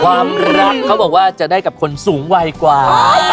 ความรักเขาบอกว่าจะได้กับคนสูงวัยกว่า